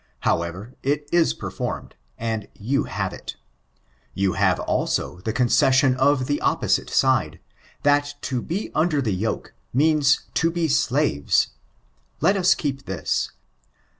However, it is performed, and you have it You have also the concession of the opposite side, that to be under the yoke, means to be davei. Let us keep this.